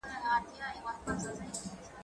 زه پرون د کتابتوننۍ سره مرسته کوم؟!